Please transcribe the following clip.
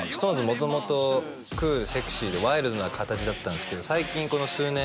元々クールセクシーでワイルドな形だったんですけど最近この数年